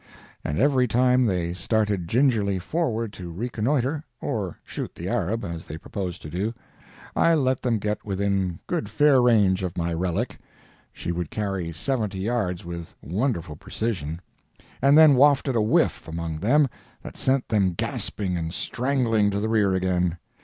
And every time they started gingerly forward to reconnoitre—or shoot the Arab, as they proposed to do—I let them get within good fair range of my relic (she would carry seventy yards with wonderful precision), and then wafted a whiff among them that sent them gasping and strangling to the rear again.